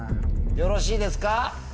よろしいですか？